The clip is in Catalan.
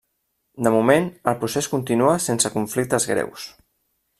De moment, el procés continua sense conflictes greus.